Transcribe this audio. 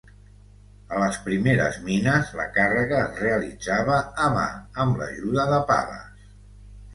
A les primeres mines la càrrega es realitzava a mà, amb l'ajuda de pales.